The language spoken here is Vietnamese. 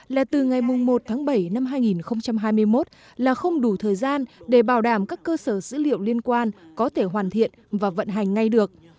là từ ngày một tháng bảy năm hai nghìn hai mươi một là không đủ thời gian để bảo đảm các cơ sở dữ liệu liên quan có thể hoàn thiện và vận hành ngay được